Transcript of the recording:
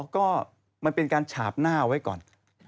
ก็มันเป็นการฉาบหน้าไว้ก่อน